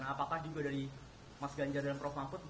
apakah juga dari mas ganjar dan prof mahfud